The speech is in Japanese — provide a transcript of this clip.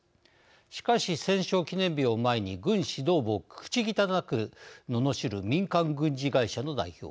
しかし戦勝記念日を前に軍指導部を口汚くののしる民間軍事会社の代表。